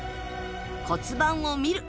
骨盤を見る！